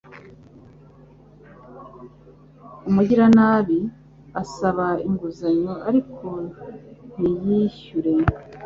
Umugiranabi asaba inguzanyo ariko ntiyishyure